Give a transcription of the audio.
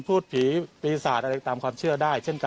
ผมจะยินยาในต้องเชื่อมทาง